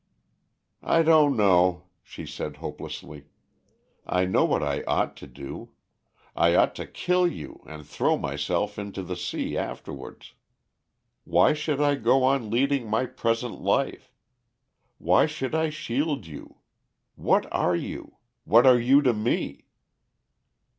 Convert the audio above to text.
"I don't know," she said hopelessly. "I know what I ought to do. I ought to kill you and throw myself into the sea afterwards. Why should I go on leading my present life? Why should I shield you? What are you? What are you to me?"